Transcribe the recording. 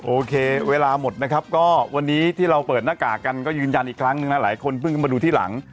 โอเคเวลาหมดนะครับก็วันนี้ที่เราเปิดหน้ากากกันก็ยืนยันอีกครั้งนึงนะหลายคนเพิ่งมาดูที่หลัง